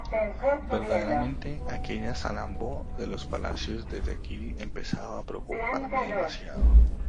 verdaderamente, aquella Salambó de los palacios de Tequil empezaba a preocuparme demasiado.